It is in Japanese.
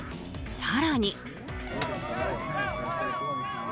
更に。